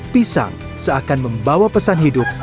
pisang seakan membawa pesan hidup